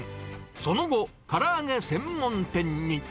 その後、から揚げ専門店に。